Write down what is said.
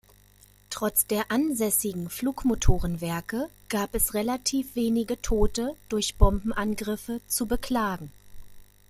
Trotz der ansässigen Flugmotorenwerke gab es relativ wenige Tote durch Bombenangriffe zu beklagen.